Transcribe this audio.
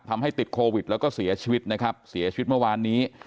ทำให้ติดโควิดแล้วก็เสียชีวิตนะครับเสียชีวิตเมื่อวานนี้